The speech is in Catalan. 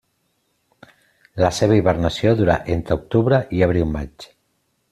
La seva hibernació dura entre octubre i abril-maig.